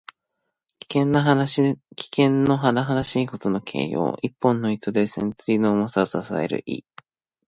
危険のはなはだしいことの形容。一本の糸で千鈞の重さを支える意。